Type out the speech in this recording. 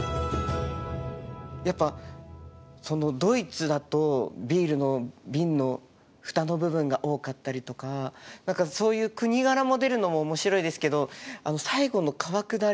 やっぱドイツだとビールの瓶の蓋の部分が多かったりとか何かそういう国柄も出るのも面白いですけど最後の川下り。